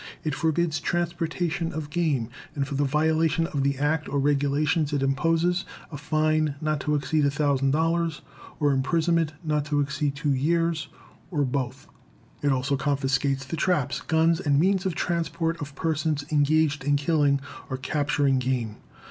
It forbids transportation of game, and for the violation of the Act or regulations it imposes a fine not to exceed $1,000, or imprisonment not to exceed two years, or both. It also confiscates the traps, guns and means of transport of persons engaged in killing or capturing game.